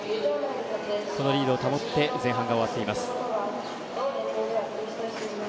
そのリードを保って前半が終わっています。